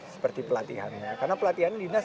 seperti pelatihan karena pelatihan ini dinas